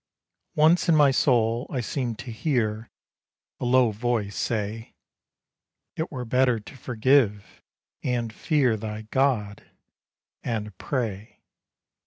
Once in my soul I seemed to hear A low voice say, _'T were better to forgive, and fear Thy God, and pray.